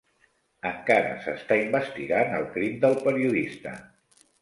Encara s'està investigant el crim del periodista